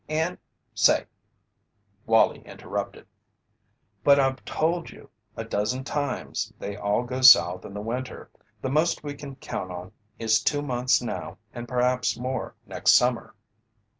And, say " Wallie interrupted: "But I've told you a dozen times they all go South in the winter. The most we can count on is two months now and perhaps more next summer."